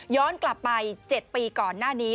กลับไป๗ปีก่อนหน้านี้